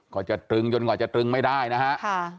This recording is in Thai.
ก็จะตรึงจนกว่าจะตรึงไม่ได้นะฮะ